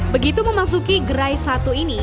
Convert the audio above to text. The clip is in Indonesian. begitu memasuki gerai satu ini